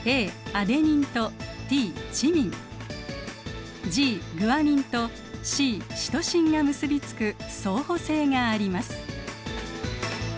アデニンとＴチミンＧグアニンとＣシトシンが結び付く相補性があります。